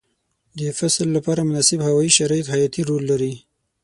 د فصل لپاره مناسب هوايي شرایط حیاتي رول لري.